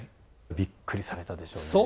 びっくりされたでしょうね。